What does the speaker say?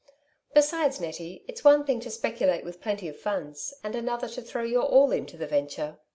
Besides, Nettie, it's one thing to speculate with plenty of funds, and another to throw your all into the venture."